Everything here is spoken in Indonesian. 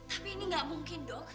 tapi ini tidak mungkin dok